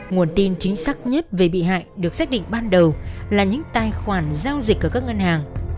nguồn tin chính xác nhất về bị hại được xác định ban đầu là những tài khoản giao dịch ở các ngân hàng